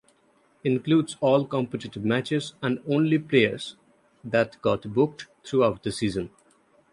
Includes all competitive matches and only players that got booked throughout the season.